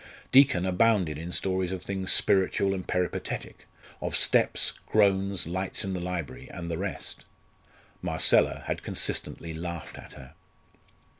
Deacon abounded in stories of things spiritual and peripatetic, of steps, groans, lights in the library, and the rest. Marcella had consistently laughed at her.